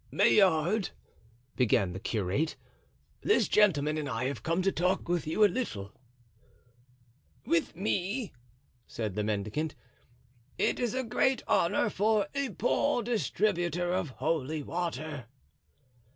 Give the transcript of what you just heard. "Maillard," began the curate, "this gentleman and I have come to talk with you a little." "With me!" said the mendicant; "it is a great honor for a poor distributor of holy water."